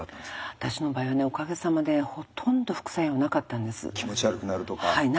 私の場合はねおかげさまでほとんど副作用なかったんです。